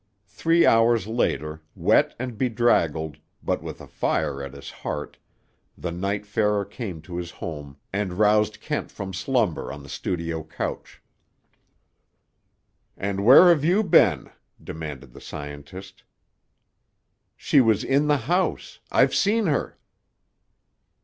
Three hours later, wet and bedraggled, but with a fire at his heart, the night farer came to his home and roused Kent from slumber on the studio couch. "And where have you been?" demanded the scientist. "She was in the house. I've seen her."